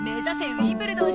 ウィンブルドン